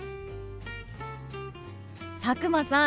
佐久間さん